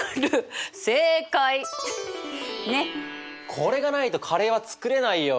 これがないとカレーは作れないよ。